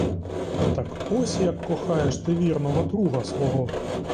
Так ось як кохаєш ти вірного друга свого!